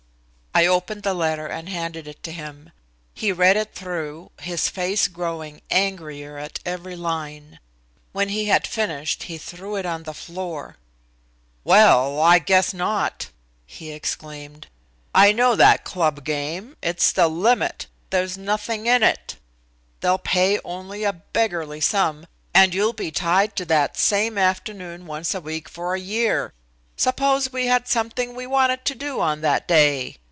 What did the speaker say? I opened the letter and handed it to him. He read it through, his face growing angrier at every line. When he had finished he threw it on the floor. "Well, I guess not," he exclaimed. "I know that club game; it's the limit. There's nothing in it. They'll pay only a beggarly sum, and you'll be tied to that same afternoon once a week for a year. Suppose we had something we wanted to do on that day?